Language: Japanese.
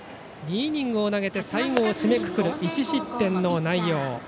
２イニングを投げて最後を締めくくる１失点の内容。